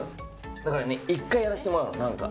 だからね、一回やらせてもらうの、なんか。